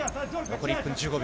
残り１分１５秒。